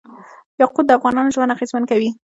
یاقوت د افغانانو ژوند اغېزمن کوي.